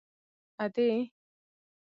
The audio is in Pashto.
_ادې!!!